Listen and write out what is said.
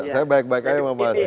saya baik baik aja mau bahas ini